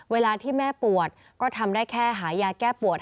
เวลาที่แม่ปวดก็ทำได้แค่หายาแก้ปวด